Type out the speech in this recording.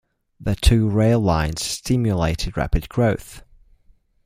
The two rail lines stimulated rapid growth.